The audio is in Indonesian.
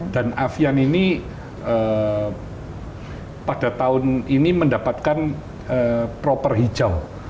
dan avian ini pada tahun ini mendapatkan proper hijau